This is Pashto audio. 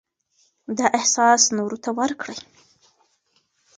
دا احساس نورو ته ورکړئ.